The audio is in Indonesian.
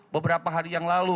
beberapa hari yang lalu